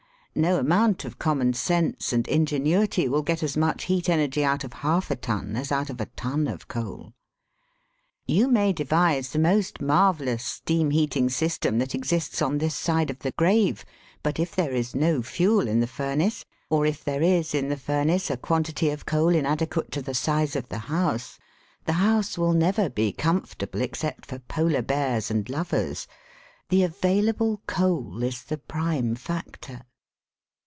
No amount of common sense and ingenuity will get as much heat energy out of half a ton as out of a ton of coal. You may devise the most marvellous steam he&ting system that exists on this side of the grave, but if there is no fuel in the furnace, or if there is in the furnace a quantity of coal inadequate to the size of the house, the house will never be com A DANGEROUS LECTURE 67 fortable except for polar bears and lovers. The available coal is the prime factor.